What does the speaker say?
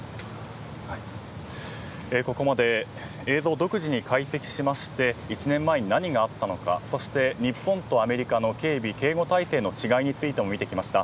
ここまで映像を独自に解析しまして１年前に何があったのかそして日本とアメリカの警備・警護態勢の違いについても見てきました。